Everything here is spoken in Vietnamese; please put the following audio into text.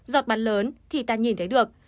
giọt bắn lớn thì ta nhìn thấy được